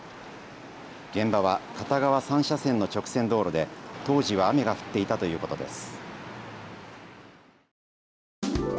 現場は片側３車線の直線道路で当時は雨が降っていたということです。